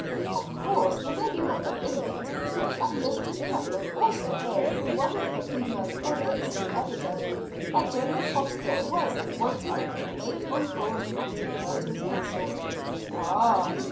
"Of course there may be nothing in it but Mistress Putnam also heard from one of her female cronies the other day, that jailer Foster was at one time a mate on board Captain Burton's vessel." "Ah!"